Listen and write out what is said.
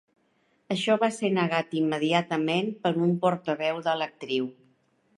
Això va ser negat immediatament per un portaveu de l'actriu.